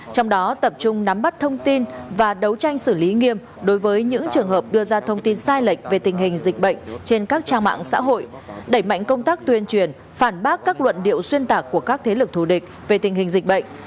trong đó tập trung nắm bắt thông tin và đấu tranh xử lý nghiêm đối với những trường hợp đưa ra thông tin sai lệch về tình hình dịch bệnh trên các trang mạng xã hội đẩy mạnh công tác tuyên truyền phản bác các luận điệu xuyên tạc của các thế lực thù địch về tình hình dịch bệnh